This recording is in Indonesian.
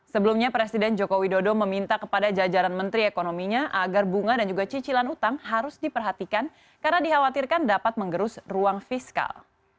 sebelumnya presiden joko widodo meminta kepada jajaran menteri ekonominya agar bunga dan juga cicilan utang harus diperhatikan karena dikhawatirkan dapat menggerus ruang fiskal